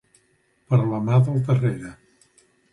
Per la mà del darrere.